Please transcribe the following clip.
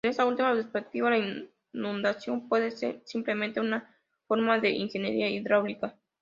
En esta última perspectiva, la inundación puede ser simplemente una forma de ingeniería hidráulica.